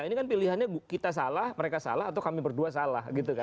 ini kan pilihannya kita salah mereka salah atau kami berdua salah